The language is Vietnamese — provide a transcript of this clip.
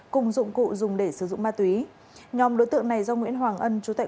cùng dụng cụ dùng để sử dụng ma túy nhóm đối tượng này do nguyễn hoàng ân